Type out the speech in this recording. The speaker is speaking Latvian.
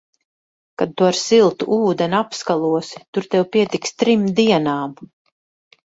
Kad tu ar siltu ūdeni apskalosi, tur tev pietiks trim dienām.